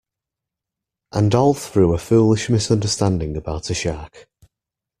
And all through a foolish misunderstanding about a shark.